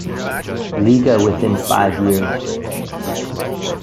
Liga within five years.